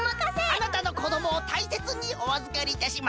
あなたのこどもをたいせつにおあずかりいたします。